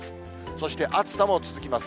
そして暑さも続きます。